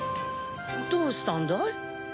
どうしたんだい？